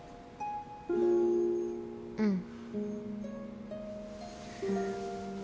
うん。